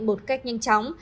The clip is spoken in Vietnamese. một cách nhanh chóng